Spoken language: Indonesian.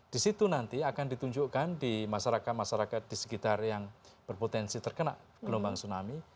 di situ nanti akan ditunjukkan di masyarakat masyarakat di sekitar yang berpotensi terkena gelombang tsunami